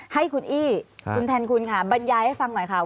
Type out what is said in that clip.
ให้คุณอี้คุณแทนคุณค่ะบรรยายให้ฟังหน่อยค่ะ